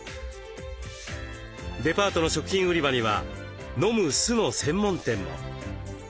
デパートの食品売り場にはのむ酢の専門店も。